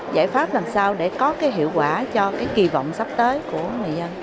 giải pháp làm sao để có cái hiệu quả cho cái kỳ vọng sắp tới của người dân